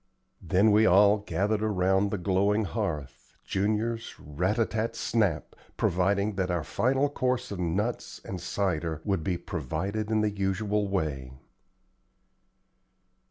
Then we all gathered around the glowing hearth, Junior's rat a tat snap! proving that our final course of nuts and cider would be provided in the usual way.